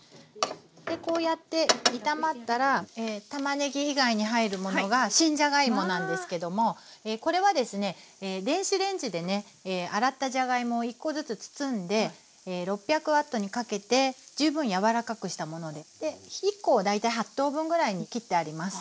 こうやって炒まったらたまねぎ以外に入るものが新じゃがいもなんですけどもこれはですね電子レンジでね洗ったじゃがいもを１コずつ包んで６００Ｗにかけて十分柔らかくしたもので１コを大体８等分ぐらいに切ってあります。